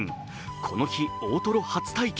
この日、大トロ初体験。